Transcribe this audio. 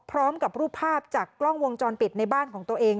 พร้อมกับรูปภาพจากกล้องวงจรปิดในบ้านของตัวเอง